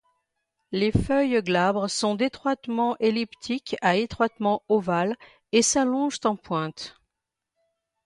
Les feuilles glabres sont d'étroitement elliptiques à étroitement ovales et s'allongent en pointes.